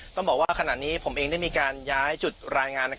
ต้องบอกว่าขณะนี้ผมเองได้มีการย้ายจุดรายงาน